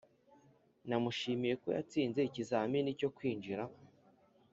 namushimiye ko yatsinze ikizamini cyo kwinjira.